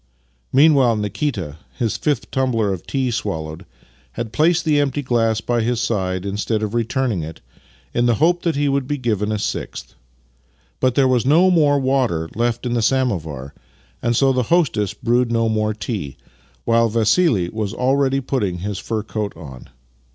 Meanwhile Nikita, his fifth tumbler of tea swallowed, had placed the empty glass by his side instead of returning it, in the hope that he would be given a sixth. But there was no more water left in the sam ovar, and so the hostess brewed no more tea, while Vassili was already putting his fur coat on.